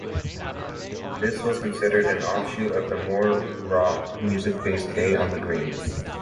This was considered an offshoot of the more rock music-based Day On The Greens.